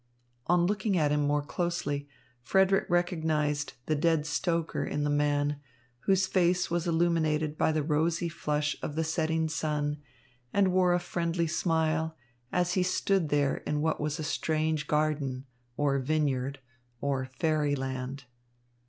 On looking at him more closely, Frederick recognised the dead stoker in the man, whose face was illuminated by the rosy flush of the setting sun and wore a friendly smile, as he stood there in what was a strange garden, or vineyard, or fairy land.